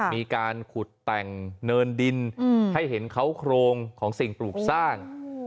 มีการขุดแต่งเนินดินให้เห็นเขาโครงของสิ่งปลูกสร้าง